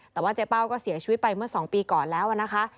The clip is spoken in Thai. แต่ว่าเจ๊เป้าก็เสียชีวิตไปเมื่อ๒ปีก่อนแล้วนะคะ